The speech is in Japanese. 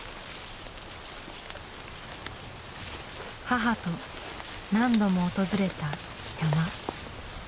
母と何度も訪れた山。